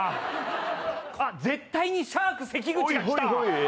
あ、絶対にシャーク関口が来た！